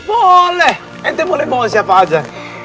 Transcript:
boleh enti boleh bawa siapa aja